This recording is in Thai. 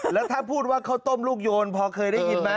แล้วถ้าพูดว่าข้าวต้มลูกโยนพอเคยได้ยินไหม